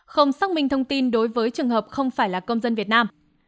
không xác minh thông tin đối với trường hợp không phải là công dân việt nam